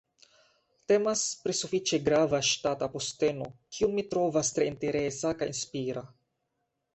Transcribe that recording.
Temas pri sufiĉe grava ŝtata posteno, kiun mi trovas tre interesa kaj inspira.